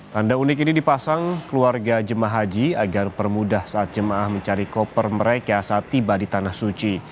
tanda unik ini dipasang keluarga jemaah haji agar permudah saat jemaah mencari koper mereka saat tiba di tanah suci